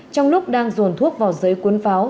trong lúc đang dồn thuốc vào giới cuốn pháo